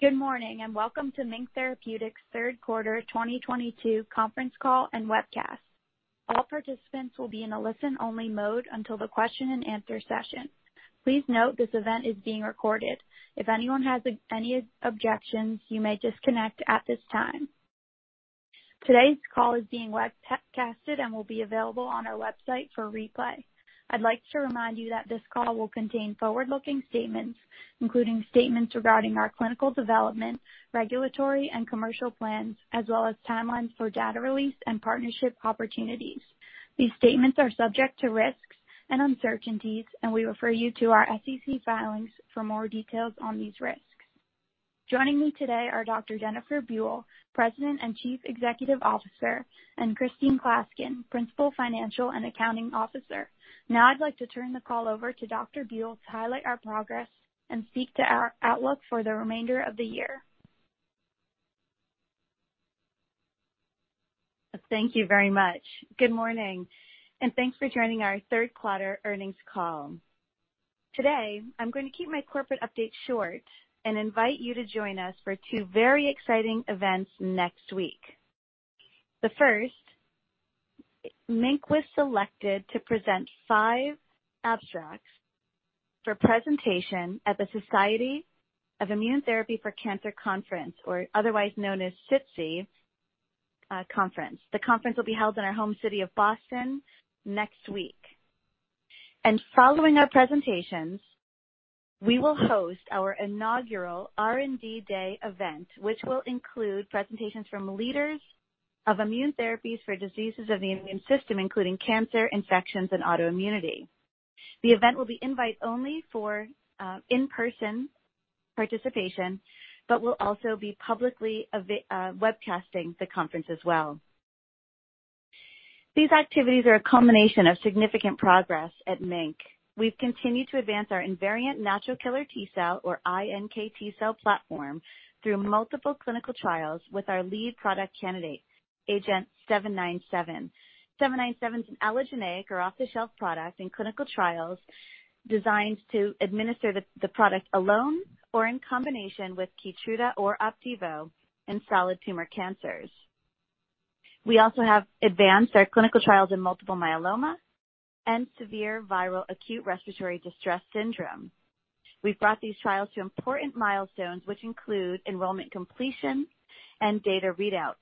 Good morning, and welcome to MiNK Therapeutics' third quarter 2022 conference call and webcast. All participants will be in a listen-only mode until the question and answer session. Please note this event is being recorded. If anyone has any objections, you may disconnect at this time. Today's call is being webcasted and will be available on our website for replay. I'd like to remind you that this call will contain forward-looking statements, including statements regarding our clinical development, regulatory and commercial plans, as well as timelines for data release and partnership opportunities. These statements are subject to risks and uncertainties, and we refer you to our SEC filings for more details on these risks. Joining me today are Dr. Jennifer Buell, President and Chief Executive Officer, and Christine Klaskin, Principal Financial and Accounting Officer. Now I'd like to turn the call over to Dr. Buell to highlight our progress and speak to our outlook for the remainder of the year. Thank you very much. Good morning, and thanks for joining our third quarter earnings call. Today, I'm going to keep my corporate update short and invite you to join us for two very exciting events next week. The first, MiNK was selected to present 5 abstracts for presentation at the Society for Immunotherapy of Cancer conference, or otherwise known as SITC conference. The conference will be held in our home city of Boston next week. Following our presentations, we will host our inaugural R&D Day event, which will include presentations from leaders of immune therapies for diseases of the immune system, including cancer, infections, and autoimmunity. The event will be invite only for in-person participation, but we'll also be publicly webcasting the conference as well. These activities are a culmination of significant progress at MiNK. We've continued to advance our invariant natural killer T-cell, or iNKT cell platform, through multiple clinical trials with our lead product candidate, agenT-797. agenT-797's an allogeneic or off-the-shelf product in clinical trials designed to administer the product alone or in combination with KEYTRUDA or OPDIVO in solid tumor cancers. We also have advanced our clinical trials in multiple myeloma and severe viral acute respiratory distress syndrome. We've brought these trials to important milestones, which include enrollment completion and data readouts,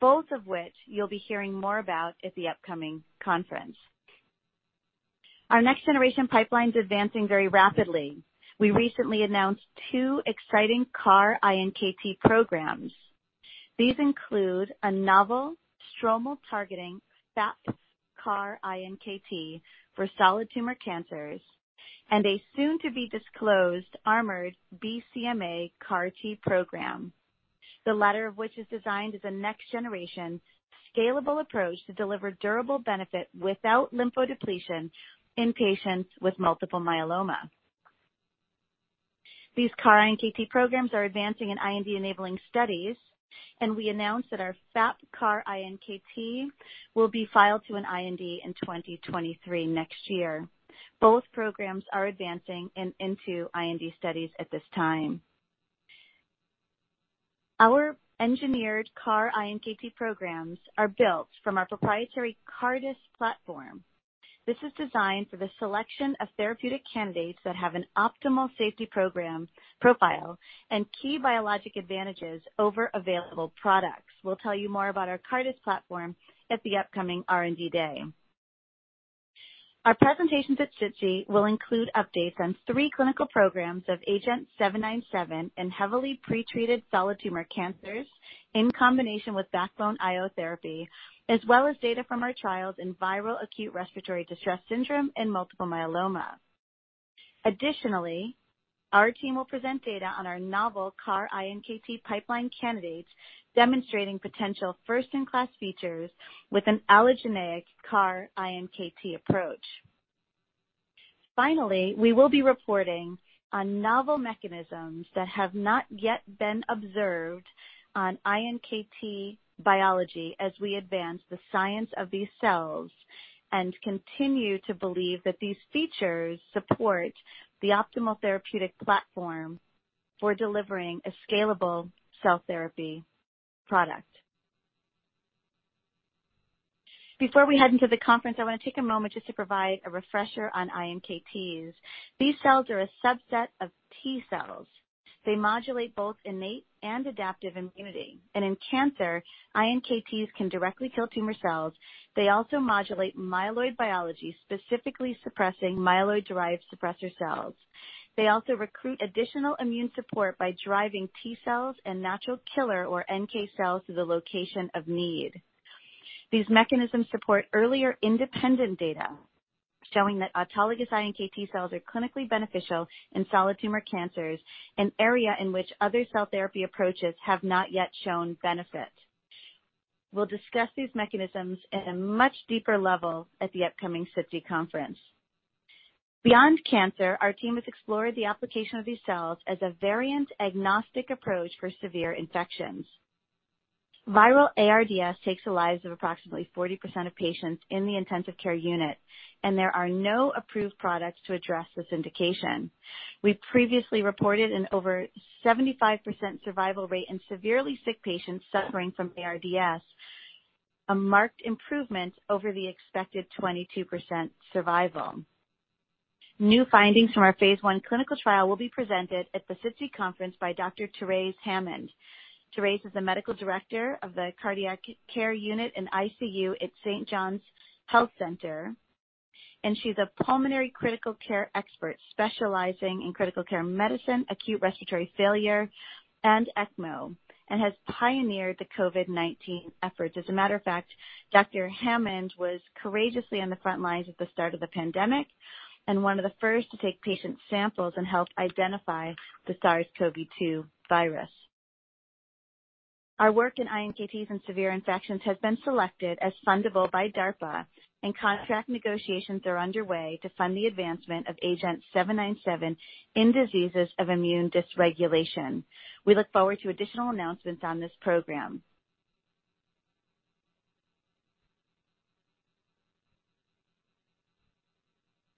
both of which you'll be hearing more about at the upcoming conference. Our next generation pipeline's advancing very rapidly. We recently announced two exciting CAR-iNKT programs. These include a novel stromal-targeting FAP-CAR-iNKT for solid tumor cancers and a soon-to-be disclosed armored BCMA CAR-iNKT program, the latter of which is designed as a next-generation scalable approach to deliver durable benefit without lymphodepletion in patients with multiple myeloma. These CAR-iNKT programs are advancing in IND-enabling studies, and we announced that our FAP CAR-iNKT will be filed to an IND in 2023 next year. Both programs are advancing into IND studies at this time. Our engineered CAR-iNKT programs are built from our proprietary CARDIS platform. This is designed for the selection of therapeutic candidates that have an optimal safety profile and key biologic advantages over available products. We'll tell you more about our CARDIS platform at the upcoming R&D Day. Our presentations at SITC will include updates on three clinical programs of agenT-797 in heavily pretreated solid tumor cancers in combination with backbone IO therapy, as well as data from our trials in viral acute respiratory distress syndrome and multiple myeloma. Additionally, our team will present data on our novel CAR-iNKT pipeline candidates demonstrating potential first-in-class features with an allogeneic CAR-iNKT approach. Finally, we will be reporting on novel mechanisms that have not yet been observed on iNKT biology as we advance the science of these cells, and continue to believe that these features support the optimal therapeutic platform for delivering a scalable cell therapy product. Before we head into the conference, I wanna take a moment just to provide a refresher on iNKT's. These cells are a subset of T-cells. They modulate both innate and adaptive immunity. In cancer, iNKTs can directly kill tumor cells. They also modulate myeloid biology, specifically suppressing myeloid-derived suppressor cells. They also recruit additional immune support by driving T-cells and natural killer or NK cells to the location of need. These mechanisms support earlier independent data showing that autologous iNKT cells are clinically beneficial in solid tumor cancers, an area in which other cell therapy approaches have not yet shown benefit. We'll discuss these mechanisms at a much deeper level at the upcoming SITC conference. Beyond cancer, our team has explored the application of these cells as a variant agnostic approach for severe infections. Viral ARDS takes the lives of approximately 40% of patients in the intensive care unit, and there are no approved products to address this indication. We previously reported an over 75% survival rate in severely sick patients suffering from ARDS, a marked improvement over the expected 22% survival. New findings from our phase I clinical trial will be presented at the SITC conference by Dr. Terese Hammond. Terese is the Medical Director of the Cardiac Care Unit in ICU at Providence Saint John's Health Center, and she's a pulmonary critical care expert specializing in critical care medicine, acute respiratory failure, and ECMO, and has pioneered the COVID-19 efforts. As a matter of fact, Dr. Hammond was courageously on the front lines at the start of the pandemic and one of the first to take patient samples and help identify the SARS-CoV-2 virus. Our work in iNKTs and severe infections has been selected as fundable by DARPA, and contract negotiations are underway to fund the advancement of agenT-797 in diseases of immune dysregulation. We look forward to additional announcements on this program.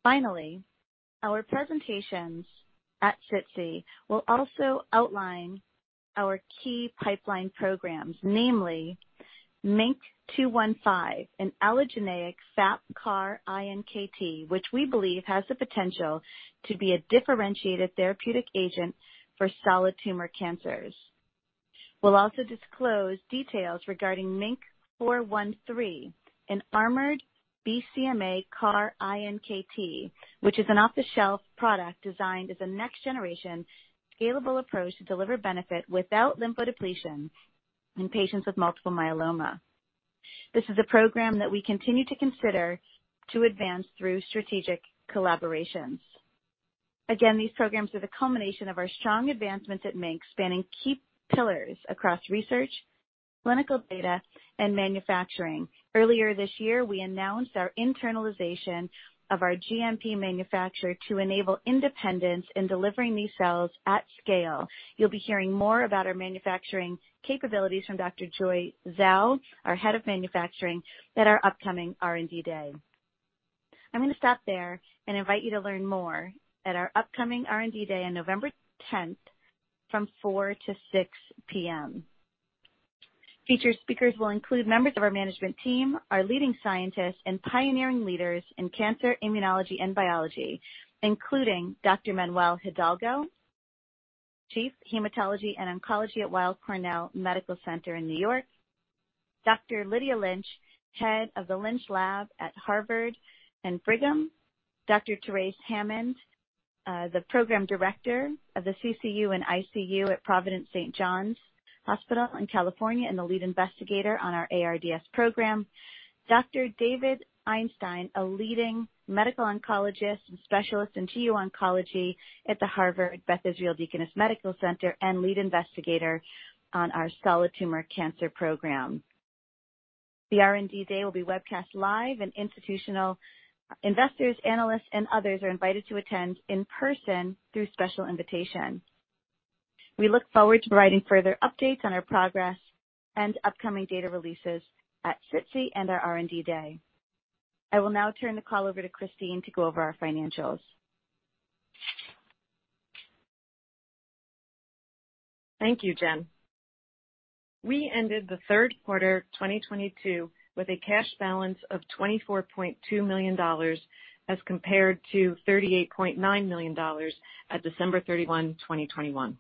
Our presentations at SITC will also outline our key pipeline programs, namely MiNK-215, an allogeneic FAP-CAR-iNKT, which we believe has the potential to be a differentiated therapeutic agent for solid tumor cancers. We'll also disclose details regarding MiNK-413, an armored BCMA CAR-iNKT, which is an off-the-shelf product designed as a next-generation scalable approach to deliver benefit without lymphodepletion in patients with multiple myeloma. This is a program that we continue to consider to advance through strategic collaborations. These programs are the culmination of our strong advancements at MiNK, spanning key pillars across research, clinical data, and manufacturing. Earlier this year, we announced our internalization of our GMP manufacturer to enable independence in delivering these cells at scale. You'll be hearing more about our manufacturing capabilities from Dr. Joy Zhou, our Head of Manufacturing, at our upcoming R&D Day. I'm gonna stop there and invite you to learn more at our upcoming R&D Day on November tenth from 4:00 to 6:00 P.M. Featured speakers will include members of our management team, our leading scientists, and pioneering leaders in cancer, immunology, and biology, including Dr. Manuel Hidalgo, Chief Hematology and Oncology at Weill Cornell Medical Center in New York, Dr. Lydia Lynch, Head of the Lynch Lab at Harvard and Brigham, Dr. Terese Hammond, the Program Director of the CCU and ICU at Providence Saint John's Health Center in California, and the lead investigator on our ARDS program, Dr. David Einstein, a leading medical oncologist and specialist in GU oncology at Beth Israel Deaconess Medical Center and lead investigator on our solid tumor cancer program. The R&D day will be webcast live, and institutional investors, analysts, and others are invited to attend in person through special invitation. We look forward to providing further updates on our progress and upcoming data releases at SITC and our R&D Day. I will now turn the call over to Christine to go over our financials. Thank you, Jen. We ended the third quarter 2022 with a cash balance of $24.2 million as compared to $38.9 million at December 31, 2021.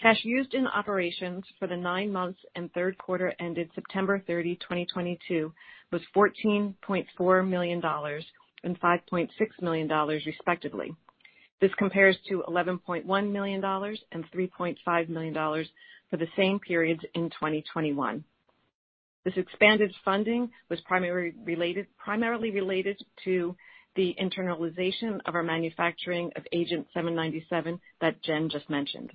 Cash used in operations for the nine months and third quarter ended September 30, 2022 was $14.4 million and $5.6 million, respectively. This compares to $11.1 million and $3.5 million for the same periods in 2021. This expanded funding was primarily related to the internalization of our manufacturing of agent seven ninety-seven that Jen just mentioned.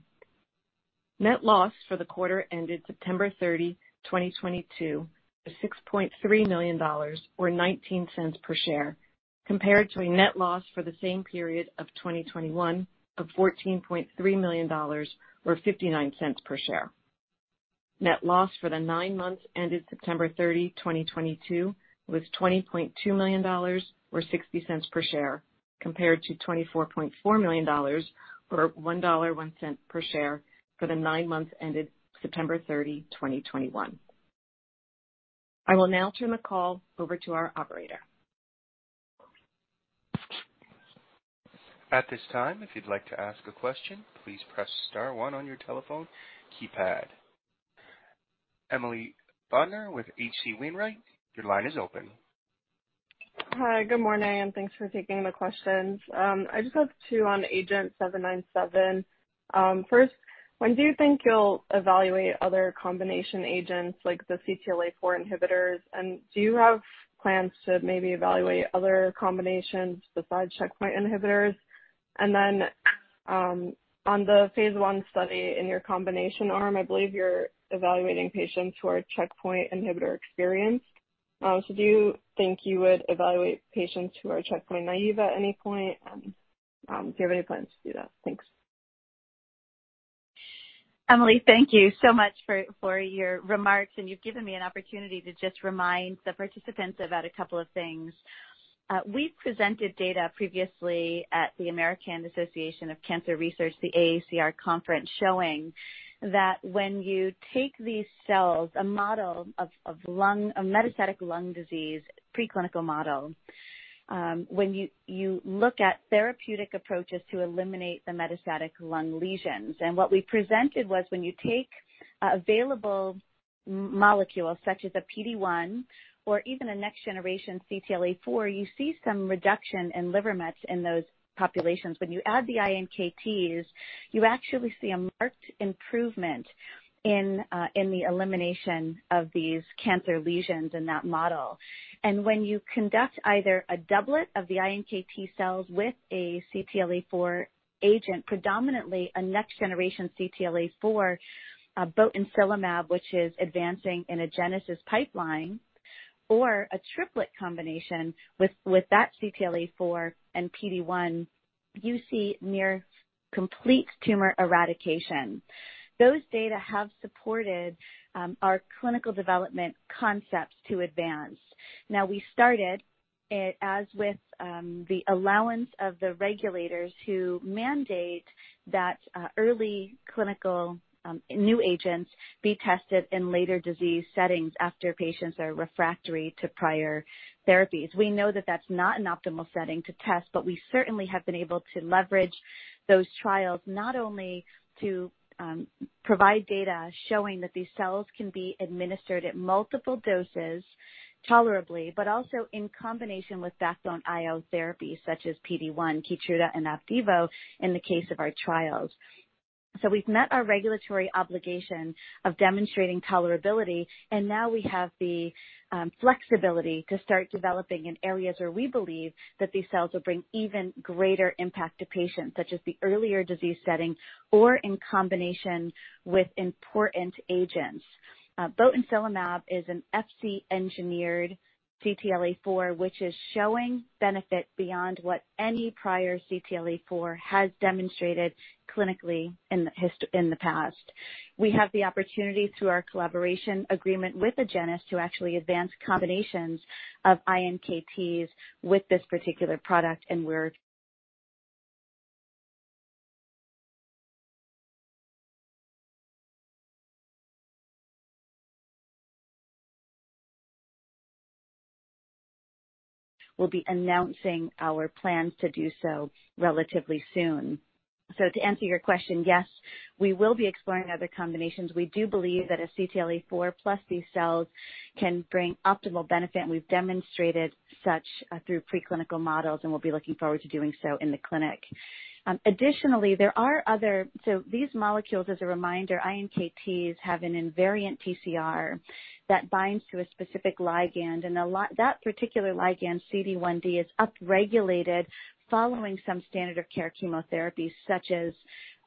Net loss for the quarter ended September 30, 2022 was $6.3 million or $0.19 per share, compared to a net loss for the same period of 2021 of $14.3 million or $0.59 per share. Net loss for the nine months ended September 30, 2022 was $20.2 million or $0.60 per share, compared to $24.4 million or $1.01 per share for the nine months ended September 30, 2021. I will now turn the call over to our operator. At this time, if you'd like to ask a question, please press star one on your telephone keypad. Emily Bodnar with H.C. Wainwright, your line is open. Hi. Good morning, and thanks for taking the questions. I just have two on agenT-797. First, when do you think you'll evaluate other combination agents like the CTLA-4 inhibitors? Do you have plans to maybe evaluate other combinations besides checkpoint inhibitors? Then, on the phase 1 study in your combination arm, I believe you're evaluating patients who are checkpoint inhibitor-experienced. So do you think you would evaluate patients who are checkpoint naive at any point? Do you have any plans to do that? Thanks. Emily, thank you so much for your remarks, and you've given me an opportunity to just remind the participants about a couple of things. We presented data previously at the American Association for Cancer Research, the AACR conference, showing that when you take these cells, a model of lung, a metastatic lung disease, preclinical model, when you look at therapeutic approaches to eliminate the metastatic lung lesions. What we presented was when you take available molecules such as a PD-1 or even a next generation CTLA-4, you see some reduction in liver mets in those populations. When you add the iNKTs, you actually see a marked improvement in the elimination of these cancer lesions in that model. When you conduct either a doublet of the iNKT cells with a CTLA-4 agent, predominantly a next generation CTLA-4, botensilimab, which is advancing in Agenus' pipeline, or a triplet combination with that CTLA-4 and PD-1, you see near complete tumor eradication. Those data have supported our clinical development concepts to advance. Now, we started it with the allowance of the regulators to mandate that early clinical new agents be tested in later disease settings after patients are refractory to prior therapies. We know that that's not an optimal setting to test, but we certainly have been able to leverage those trials, not only to provide data showing that these cells can be administered at multiple doses tolerably, but also in combination with backbone IO therapies such as PD-1, KEYTRUDA and OPDIVO in the case of our trials. We've met our regulatory obligation of demonstrating tolerability, and now we have the flexibility to start developing in areas where we believe that these cells will bring even greater impact to patients, such as the earlier disease setting or in combination with important agents. botensilimab is an Fc-engineered CTLA-4, which is showing benefit beyond what any prior CTLA-4 has demonstrated clinically in the past. We have the opportunity, through our collaboration agreement with Agenus, to actually advance combinations of iNKTs with this particular product, and we'll be announcing our plans to do so relatively soon. To answer your question, yes, we will be exploring other combinations. We do believe that a CTLA-4 plus these cells can bring optimal benefit, and we've demonstrated such through preclinical models, and we'll be looking forward to doing so in the clinic. These molecules, as a reminder, iNKTs have an invariant TCR that binds to a specific ligand, and that particular ligand, CD1d, is upregulated following some standard of care chemotherapy such as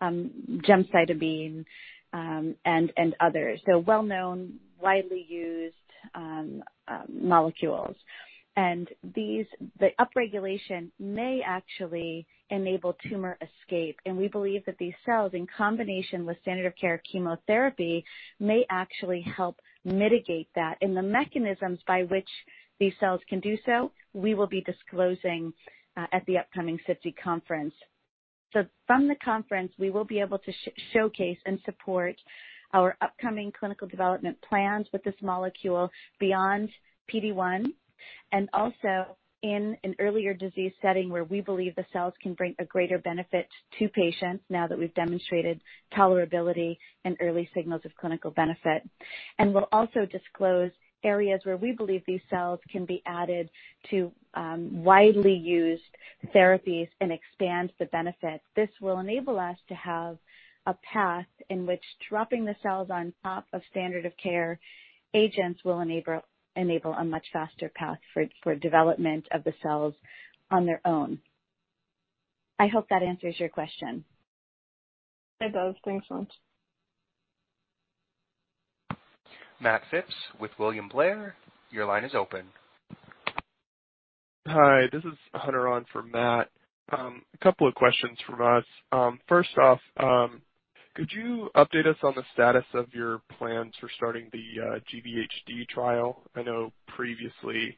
gemcitabine and others. Well-known, widely used molecules. The upregulation may actually enable tumor escape, and we believe that these cells, in combination with standard of care chemotherapy, may actually help mitigate that. In the mechanisms by which these cells can do so, we will be disclosing at the upcoming SITC conference. From the conference, we will be able to showcase and support our upcoming clinical development plans with this molecule beyond PD-1, and also in an earlier disease setting where we believe the cells can bring a greater benefit to patients now that we've demonstrated tolerability and early signals of clinical benefit. We'll also disclose areas where we believe these cells can be added to widely used therapies and expand the benefit. This will enable us to have a path in which dropping the cells on top of standard of care agents will enable a much faster path for development of the cells on their own. I hope that answers your question. It does. Thanks so much. Matt Phipps with William Blair, your line is open. Hi, this is Hunter on for Matt. A couple of questions from us. First off, could you update us on the status of your plans for starting the GVHD trial? I know previously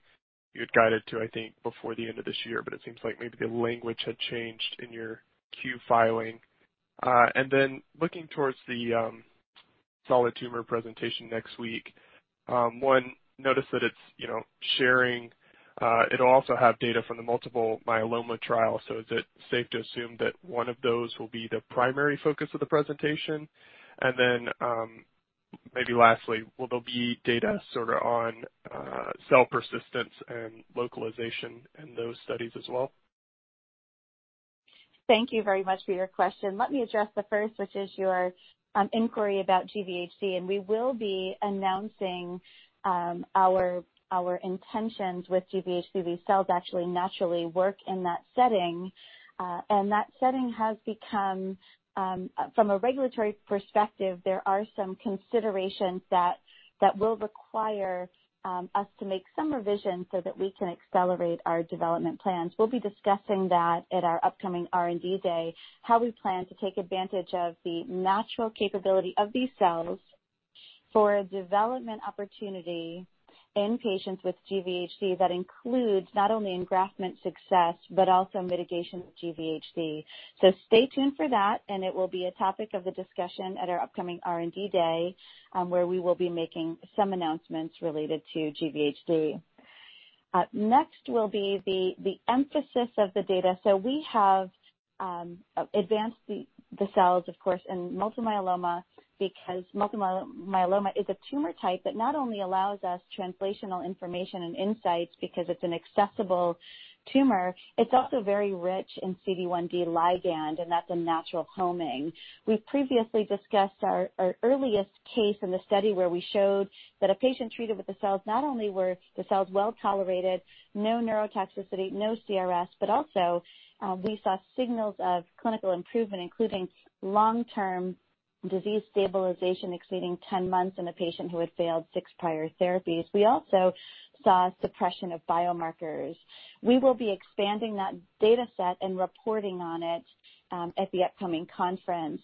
you had guided to, I think, before the end of this year, but it seems like maybe the language had changed in your Q filing. Then looking towards the solid tumor presentation next week, one, notice that it's, you know, sharing, it'll also have data from the multiple myeloma trial, so is it safe to assume that one of those will be the primary focus of the presentation? Then, maybe lastly, will there be data sort of on cell persistence and localization in those studies as well? Thank you very much for your question. Let me address the first, which is your inquiry about GVHD, and we will be announcing our intentions with GVHD. These cells actually naturally work in that setting, and that setting has become, from a regulatory perspective, there are some considerations that will require us to make some revisions so that we can accelerate our development plans. We'll be discussing that at our upcoming R&D day, how we plan to take advantage of the natural capability of these cells for a development opportunity in patients with GVHD that includes not only engraftment success but also mitigation of GVHD. Stay tuned for that, and it will be a topic of the discussion at our upcoming R&D day, where we will be making some announcements related to GVHD. Next will be the emphasis of the data. We have advanced the cells, of course, in multiple myeloma because multiple myeloma is a tumor type that not only allows us translational information and insights because it's an accessible tumor, it's also very rich in CD1d ligand, and that's a natural homing. We previously discussed our earliest case in the study where we showed that a patient treated with the cells, not only were the cells well-tolerated, no neurotoxicity, no CRS, but also, we saw signals of clinical improvement, including long-term disease stabilization exceeding 10 months in a patient who had failed 6 prior therapies. We also saw suppression of biomarkers. We will be expanding that dataset and reporting on it at the upcoming conference.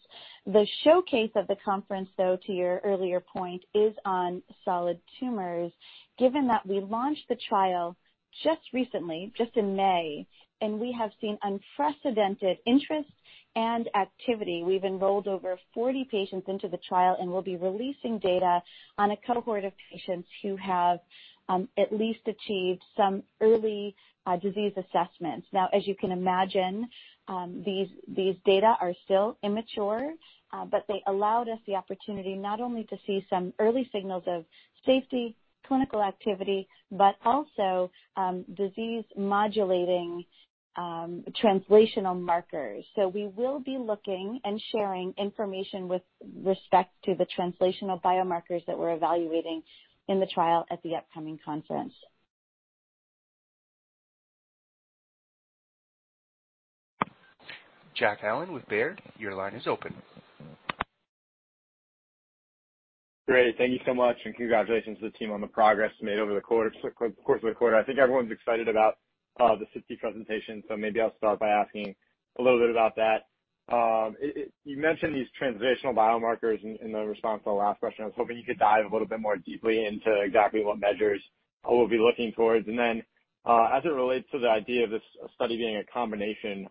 The showcase of the conference, though, to your earlier point, is on solid tumors. Given that we launched the trial just recently, just in May, and we have seen unprecedented interest and activity. We've enrolled over 40 patients into the trial and will be releasing data on a cohort of patients who have at least achieved some early disease assessments. Now, as you can imagine, these data are still immature, but they allowed us the opportunity not only to see some early signals of safety, clinical activity, but also disease-modulating translational markers. We will be looking and sharing information with respect to the translational biomarkers that we're evaluating in the trial at the upcoming conference. Jack Allen with Baird, your line is open. Great. Thank you so much, and congratulations to the team on the progress made over the course of the quarter. I think everyone's excited about the SITC presentation, so maybe I'll start by asking a little bit about that. You mentioned these translational biomarkers in the response to the last question. I was hoping you could dive a little bit more deeply into exactly what measures I will be looking towards. As it relates to the idea of this study being a combination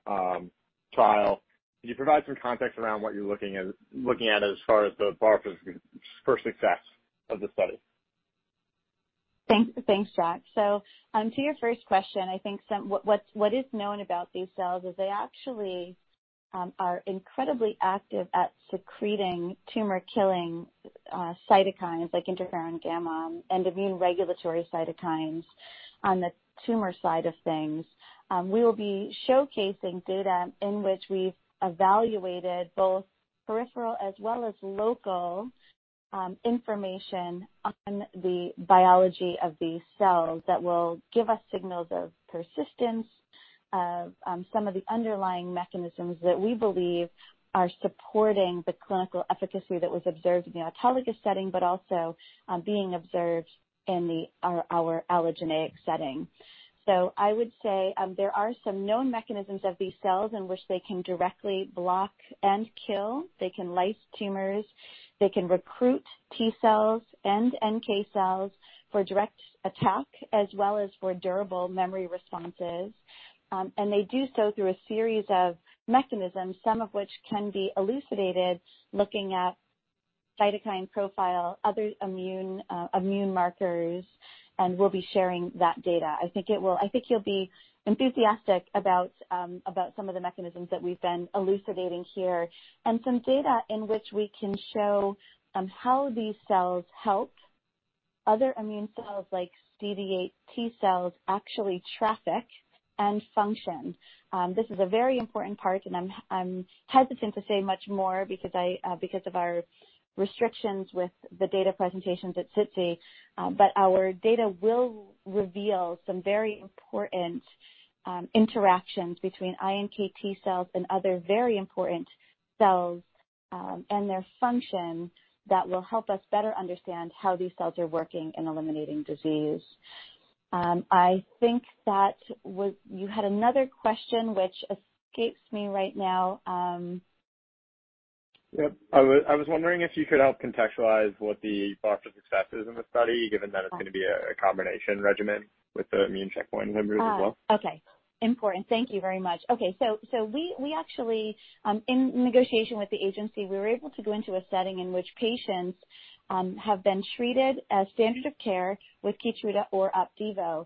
trial, could you provide some context around what you're looking at as far as the bar for success of the study? Thanks, Jack. To your first question, I think what is known about these cells is they actually are incredibly active at secreting tumor-killing cytokines like interferon gamma and immune regulatory cytokines on the tumor side of things. We will be showcasing data in which we've evaluated both peripheral as well as local information on the biology of these cells that will give us signals of persistence, of some of the underlying mechanisms that we believe are supporting the clinical efficacy that was observed in the autologous setting, but also being observed in our allogeneic setting. I would say there are some known mechanisms of these cells in which they can directly block and kill. They can lyse tumors, they can recruit T cells and NK cells for direct attack, as well as for durable memory responses. They do so through a series of mechanisms, some of which can be elucidated looking at cytokine profile, other immune markers, and we'll be sharing that data. I think you'll be enthusiastic about some of the mechanisms that we've been elucidating here, and some data in which we can show how these cells help other immune cells like CD8+ T cells actually traffic and function. This is a very important part, and I'm hesitant to say much more because of our restrictions with the data presentations at SITC. Our data will reveal some very important interactions between iNKT cells and other very important cells and their function that will help us better understand how these cells are working in eliminating disease. I think that was. You had another question which escapes me right now. Yep. I was wondering if you could help contextualize what the bar for success is in the study, given that it's gonna be a combination regimen with the immune checkpoint inhibitors as well? We actually in negotiation with the agency, we were able to go into a setting in which patients have been treated as standard of care with KEYTRUDA or OPDIVO.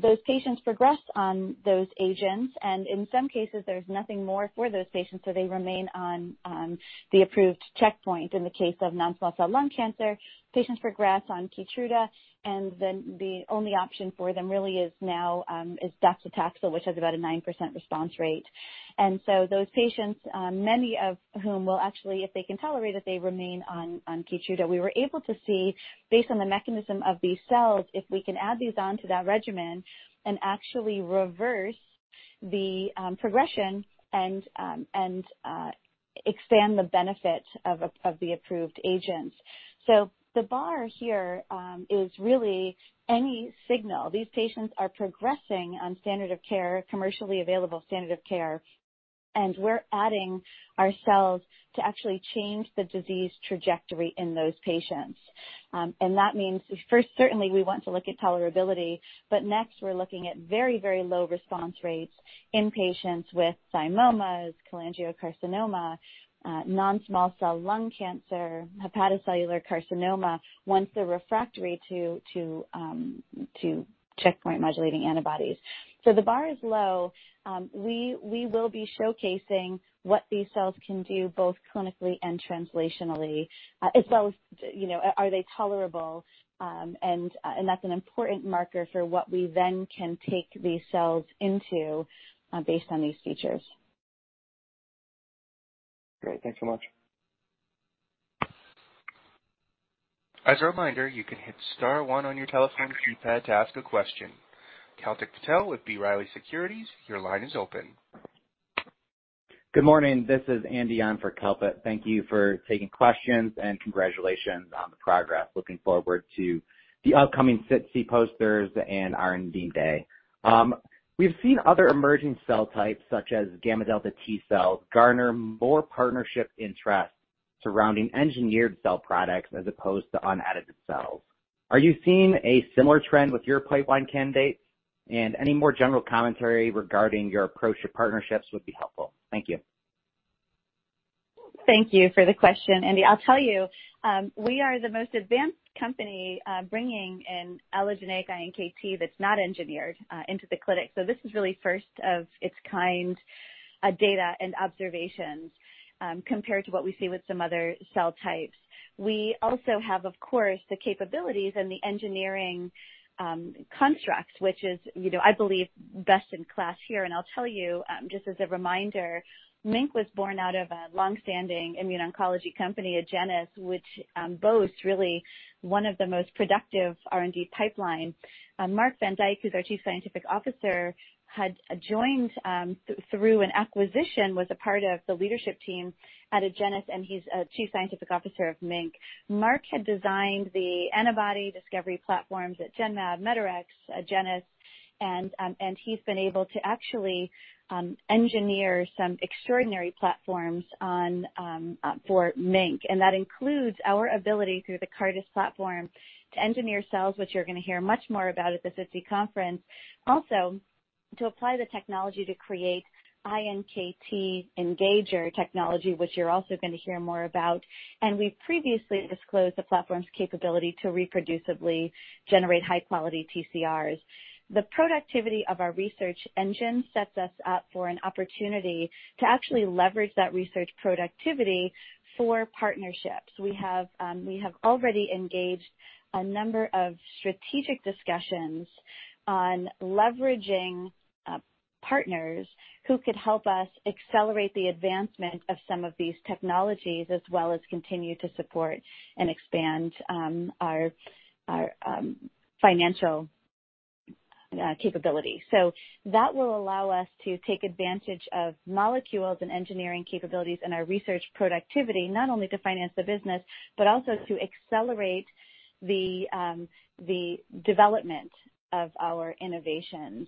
Those patients progressed on those agents, and in some cases, there's nothing more for those patients, so they remain on the approved checkpoint. In the case of non-small cell lung cancer, patients progress on KEYTRUDA, and then the only option for them really is now docetaxel, which has about a 9% response rate. Those patients, many of whom will actually, if they can tolerate it, they remain on KEYTRUDA. We were able to see, based on the mechanism of these cells, if we can add these on to that regimen and actually reverse the progression and expand the benefit of the approved agents. The bar here is really any signal. These patients are progressing on standard of care, commercially available standard of care. We're adding our cells to actually change the disease trajectory in those patients. That means first, certainly we want to look at tolerability, but next, we're looking at very, very low response rates in patients with thymomas, cholangiocarcinoma, non-small cell lung cancer, hepatocellular carcinoma, ones that are refractory to checkpoint modulating antibodies. The bar is low. We will be showcasing what these cells can do both clinically and translationally, as well as, you know, are they tolerable? That's an important marker for what we then can take these cells into, based on these features. Great. Thanks so much. As a reminder, you can hit star one on your telephone keypad to ask a question. Kalpit Patel with B. Riley Securities, your line is open. Good morning. This is Andy on for Kalpit. Thank you for taking questions, and congratulations on the progress. Looking forward to the upcoming SITC posters and R&D Day. We've seen other emerging cell types, such as gamma delta T cells, garner more partnership interest surrounding engineered cell products as opposed to unedited cells. Are you seeing a similar trend with your pipeline candidates? Any more general commentary regarding your approach to partnerships would be helpful. Thank you. Thank you for the question, Andy. I'll tell you, we are the most advanced company bringing an allogeneic iNKT that's not engineered into the clinic. This is really first of its kind data and observations compared to what we see with some other cell types. We also have, of course, the capabilities and the engineering constructs, which is, you know, I believe best in class here. I'll tell you, just as a reminder, MiNK was born out of a long-standing immuno-oncology company, Agenus, which boasts really one of the most productive R&D pipelines. Marc van Dijk, who's our Chief Scientific Officer, had joined through an acquisition, was a part of the leadership team at Agenus, and he's Chief Scientific Officer of MiNK. Marc van Dijk had designed the antibody discovery platforms at Genmab, Medarex, Agenus, and he's been able to actually engineer some extraordinary platforms for MiNK. That includes our ability through the CARDIS platform to engineer cells, which you're gonna hear much more about at the SITC conference. Also, to apply the technology to create iNKT Engager technology, which you're also going to hear more about. We previously disclosed the platform's capability to reproducibly generate high-quality TCRs. The productivity of our research engine sets us up for an opportunity to actually leverage that research productivity for partnerships. We have already engaged a number of strategic discussions on leveraging partners who could help us accelerate the advancement of some of these technologies, as well as continue to support and expand our financial capability. That will allow us to take advantage of molecules and engineering capabilities and our research productivity, not only to finance the business, but also to accelerate the development of our innovations.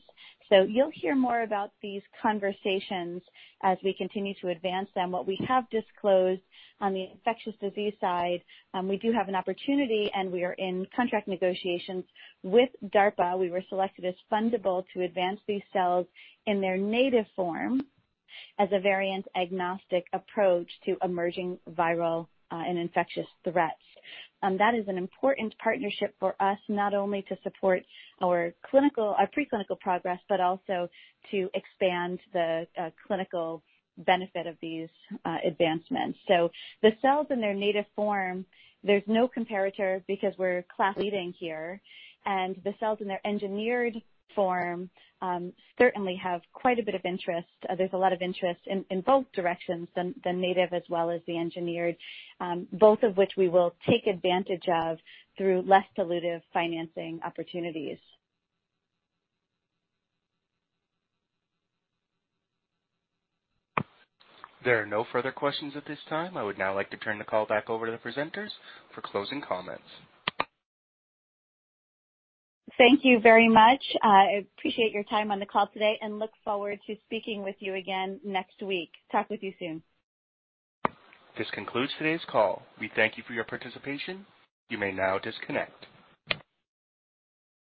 You'll hear more about these conversations as we continue to advance them. What we have disclosed on the infectious disease side, we do have an opportunity, and we are in contract negotiations with DARPA. We were selected as fundable to advance these cells in their native form as a variant-agnostic approach to emerging viral and infectious threats. That is an important partnership for us, not only to support our preclinical progress, but also to expand the clinical benefit of these advancements. The cells in their native form, there's no comparator because we're class-leading here, and the cells in their engineered form certainly have quite a bit of interest. There's a lot of interest in both directions, the native as well as the engineered, both of which we will take advantage of through less dilutive financing opportunities. There are no further questions at this time. I would now like to turn the call back over to the presenters for closing comments. Thank you very much. I appreciate your time on the call today and look forward to speaking with you again next week. Talk with you soon. This concludes today's call. We thank you for your participation. You may now disconnect.